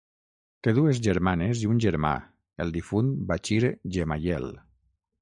Té dues germanes i un germà, el difunt Bachir Gemayel.